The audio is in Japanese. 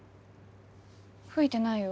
吹いてないよ。